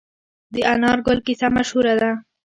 د انار ګل کیسه مشهوره ده.